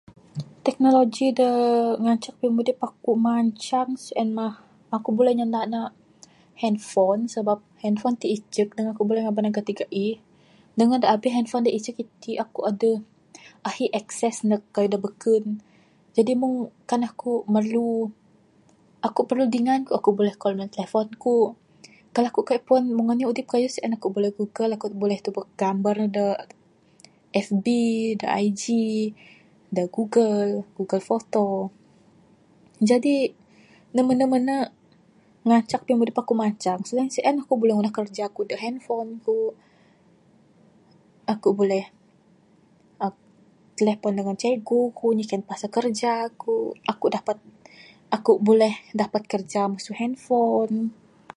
Teknologi da ngancak aku mancang sien mah aku buleh nyanda ne handphone sebab handphone ti icek dangan ne buleh ku ngaban gati gaih dangan anih handphone da icek iti aku adeh ahi access neg kayuh da beken jadi meng aku merlu aku perlu dingan ku aku buleh call minan telephone ku kalau aku kaik puan meng anih udip kayuh sien aku buleh google aku buleh tubek gamar da FB da IG da google da google photo. Jadi aku mene mene ngancak pimudip aku mancang selain sien aku buleh ngundah kerja ku da handphone ku. Aku buleh telephone dangan cikgu ku nyiken pasal kerja ku. Aku dapat aku buleh dapat kerja masu handphone.